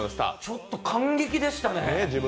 ちょっと感激でしたね